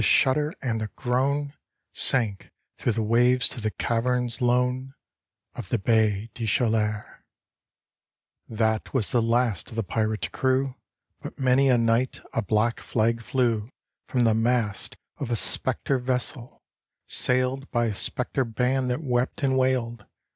shudder and a groan, Sank through the waves to the caverns lone Of die Baie des Chaleuis. D,gt,, erihyGOOglC The Sands of Dee 6; That was the last oi the pirate crew, But many a night a black flag flew From the mast of a spectre vessel, sailed By a spectre band that wept and wailed.